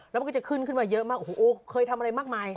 แล้วมันก็จะขึ้นขึ้นมาเยอะมากโอ้โหเคยทำอะไรมากมาย